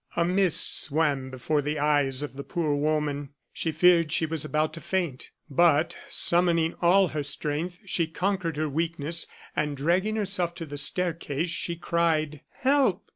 A mist swam before the eyes of the poor woman; she feared she was about to faint; but, summoning all her strength, she conquered her weakness and, dragging herself to the staircase, she cried: "Help!